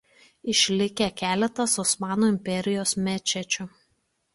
Išlikę keletas Osmanų imperijos mečečių.